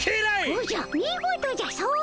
おじゃ見事じゃ掃除や。